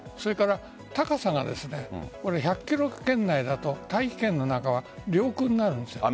高さが１００ｋｍ圏内だと大気圏の中は領空になるんです。